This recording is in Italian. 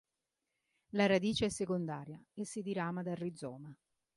La radice è secondaria e si dirama dal rizoma.